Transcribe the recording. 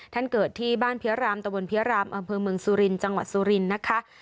ท่านเกิดที่บ้านเภียรามตบลเวลาเมืองสุลินจังหวัดสุลินนะคะ